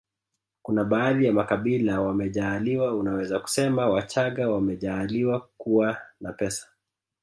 kuna baadhi ya makabila wamejaaliwa unaweza kusema wachaga wamejaaliwa kuwa na pesa